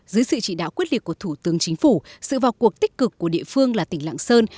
dưới sự chỉ đạo quyết liệt của thủ tướng chính phủ sự vào cuộc tích cực của địa phương là tỉnh lạng sơn